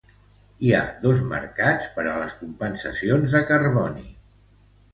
Hi ha dos mercats per a les compensacions de carboni.